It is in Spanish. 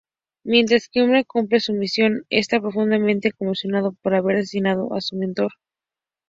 Mientras Kimura cumple su misión, está profundamente conmocionado por haber asesinado a su mentor.